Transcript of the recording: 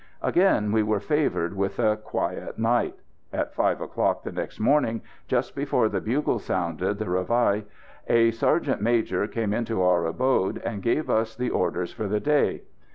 Again we were favoured with a quiet night. At five o'clock the next morning, just before the bugle sounded the réveil, a sergeant major came into our abode and gave us the orders for the day.